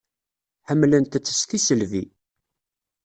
Ḥemmlent-tt s tisselbi.